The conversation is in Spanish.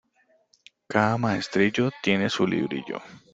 Cada maestrillo tiene su librillo.